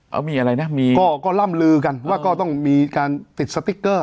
เอามีอะไรนะมีก็ก็ล่ำลือกันว่าก็ต้องมีการติดสติ๊กเกอร์